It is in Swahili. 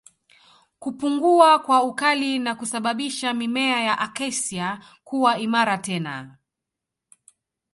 Kupungua kwa ukali na kusababisha mimea ya Acacia kuwa imara tena